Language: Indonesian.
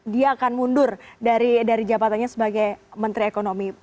dia akan mundur dari jabatannya sebagai menteri ekonomi